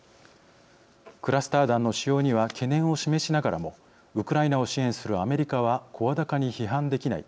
クラスター弾の使用には懸念を示しながらもウクライナを支援するアメリカは声高に批判できない